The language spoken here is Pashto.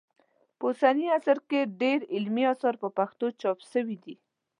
په اوسني عصر کې ډېر علمي اثار په پښتو چاپ سوي دي